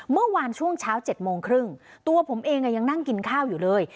เมื่อวานช่วงเช้า๗โมงครึ่งตัวผมเองยังนั่งกินข้าวอยู่เลย